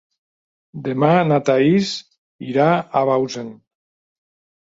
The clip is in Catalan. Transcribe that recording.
Demà na Thaís irà a Bausen.